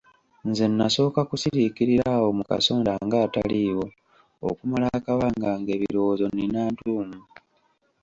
Nze nasooka kusiriikirira awo mu kasonda ng'ataliiwo okumala akabanga ng'ebirowoozo nnina ntuumu.